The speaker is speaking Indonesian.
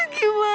gue udah gimana